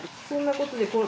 そんなことで。